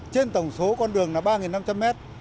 trên tổng số con đường là ba năm trăm linh mét